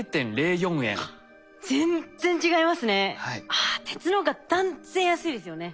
あ鉄のほうが断然安いですよね。